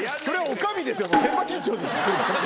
それは女将ですよ。